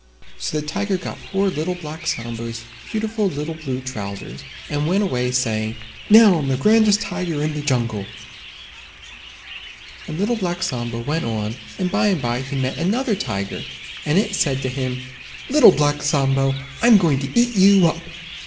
So the Tiger got poor Little Black Sambo's beautiful little Blue Trousers, and went away saying, "Now I'm the grandest Tiger in the Jungle." And Little Black Sambo went on and by and by he met another Tiger, and it said to him, "Little Black Sambo, I'm going to eat you up!"